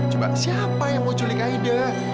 coba siapa yang mau culik ide